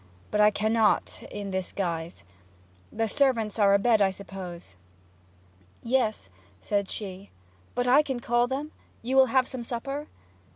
'But I cannot in this guise. The servants are abed, I suppose?' 'Yes,' said she. 'But I can call them? You will have some supper?'